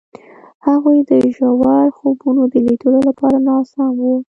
هغوی د ژور خوبونو د لیدلو لپاره ناست هم وو.